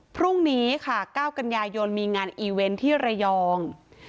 พรุ่งนี้ค่ะ๙กันยายนมีงานอีเวนต์ที่ระยอง